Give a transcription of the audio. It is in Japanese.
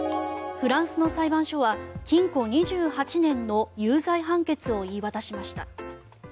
フランスの裁判所は禁錮２８年の有罪判決を言い渡しました。